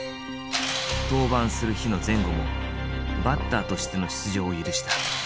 登板する日の前後もバッターとしての出場を許した。